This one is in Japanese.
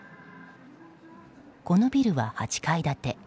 このビルは８階建て。